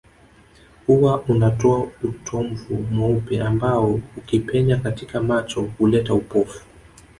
Huwa unatoa utomvu mweupe ambao ukipenya katika macho huleta upofu